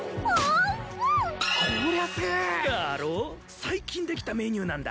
最近できたメニューなんだ。